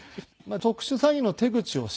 特殊詐欺の手口を知る。